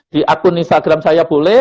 di akun instagram saya boleh